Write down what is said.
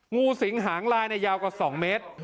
งูสิงหางลายในยาวกว่า๒เมตร